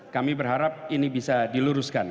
kami berharap ini bisa diluruskan